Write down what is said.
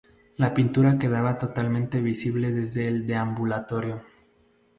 La pintura quedaba totalmente visible desde el deambulatorio.